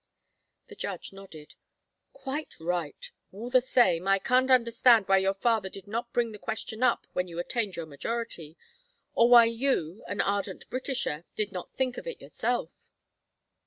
The judge nodded. "Quite right. All the same, I can't understand why your father did not bring the question up when you attained your majority, or why you, an ardent Britisher, did not think of it yourself."